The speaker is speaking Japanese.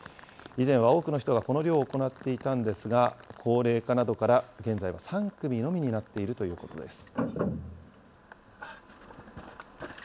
以前は多くの人がこの漁を行っていたんですが、高齢化などから、現在は３組のみになっているということです。